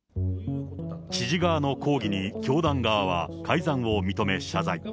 知事側の抗議に、教団側は改ざんを認め、謝罪。